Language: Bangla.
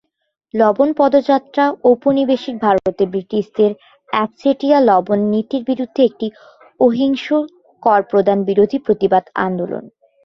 লবণ পদযাত্রা ঔপনিবেশিক ভারতে ব্রিটিশদের একচেটিয়া লবণ নীতির বিরুদ্ধে একটি অহিংস করপ্রদান-বিরোধী প্রতিবাদ আন্দোলন।